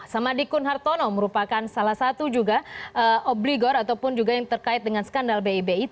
samadikun hartono merupakan salah satu juga obligor ataupun juga yang terkait dengan skandal bibit